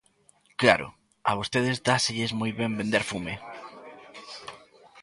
Claro, a vostedes dáselles moi ben vender fume.